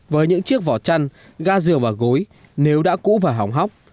với những chiếc vỏ chăn ga dừa và gối nếu đã cũ và hỏng hóc